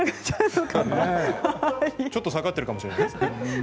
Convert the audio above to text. ちょっと下がっているかもしれません。